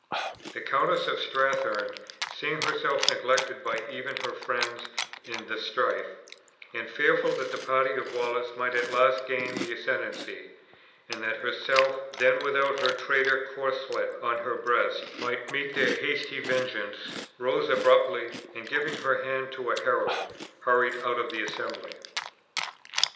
The Countess of Strathearn seeing herself neglected by even her friends in the strife, and fearful that the party of Wallace might at last gain the ascendancy, and that herself, then without her traitor corslet on her breast, might meet their hasty vengeance, rose abruptly, and giving her hand to a herald, hurried out of the assembly.